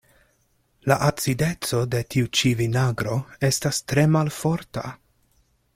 La acideco de tiu ĉi vinagro estas tre malforta.